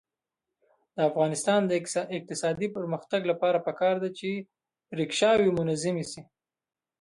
د افغانستان د اقتصادي پرمختګ لپاره پکار ده چې ریکشاوې منظمې شي.